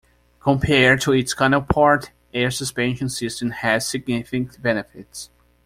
Compared to its counterpart, air suspension system has significant benefits.